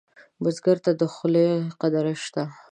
بزګر ته د خولې قدر شته